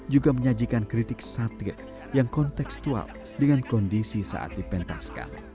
juga menyajikan kritik satir yang konteksual dengan kondisi saat dipentaskan